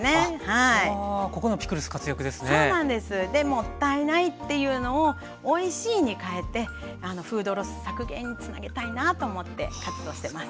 もったいないというのをおいしいに変えてフードロス削減につなげたいなと思って活動してます。